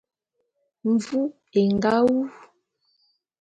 Mvu é nga wu.